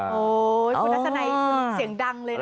คุณนัสนัยเสียงดังเลยนะ